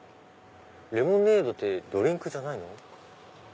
レモネードってドリンクじゃないの？